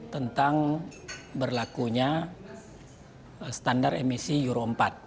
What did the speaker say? tentang berlakunya standar emisi euro empat